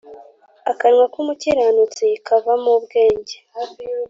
Akanwa k’umukiranutsi kavamo ubwenge